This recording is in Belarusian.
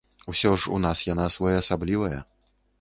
Усё ж у нас яна своеасаблівая.